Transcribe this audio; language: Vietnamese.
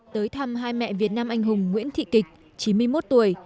tới thăm hai mẹ việt nam anh hùng nguyễn thị kịch chín mươi một tuổi